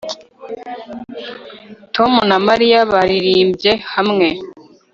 Tom na Mariya baririmbye hamwe